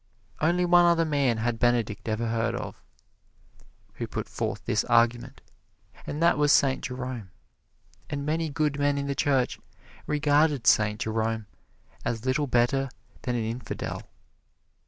Only one other man had Benedict ever heard of, who put forth this argument, and that was Saint Jerome; and many good men in the Church regarded Saint Jerome as little better than an infidel.